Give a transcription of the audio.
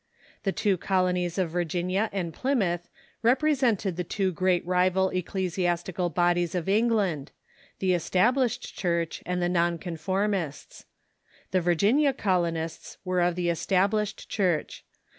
The two colonies of Virginia and Plymouth represented the two great rival ecclesiastical bodies of England — the Established Church and the non conformists. The Virginia colonists were of the Established Church.